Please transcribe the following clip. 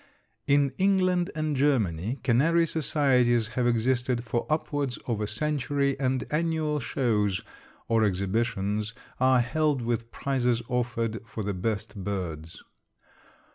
In England and Germany canary societies have existed for upwards of a century, and annual shows or exhibitions are held with prizes offered for the best birds.